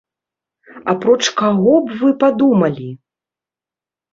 Апроч каго б вы падумалі?